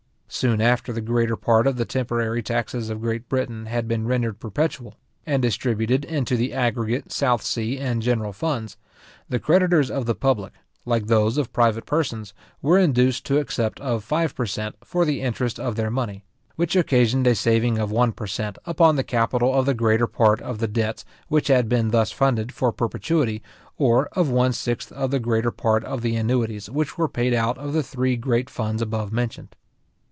Soon after the greater part of the temporary taxes of Great Britain had been rendered perpetual, and distributed into the aggregate, South sea, and general funds, the creditors of the public, like those of private persons, were induced to accept of five per cent. for the interest of their money, which occasioned a saving of one per cent. upon the capital of the greater part or the debts which had been thus funded for perpetuity, or of one sixth of the greater part of the annuities which were paid out of the three great funds above mentioned.